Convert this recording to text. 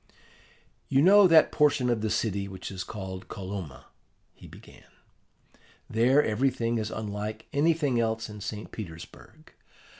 "You know that portion of the city which is called Kolomna," he began. "There everything is unlike anything else in St. Petersburg.